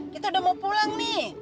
kita udah mau pulang nih